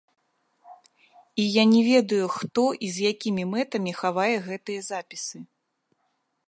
І я не ведаю, хто і з якімі мэтамі хавае гэтыя запісы.